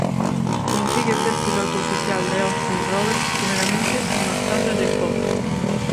Consigue ser piloto oficial de Austin Rover primeramente y más tarde de Ford.